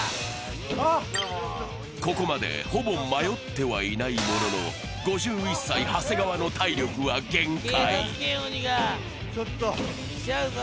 ここまでほぼ迷ってはいないものの、５１歳、長谷川の体力は限界。